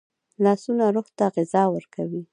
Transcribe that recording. لاسونه روح ته غذا ورکوي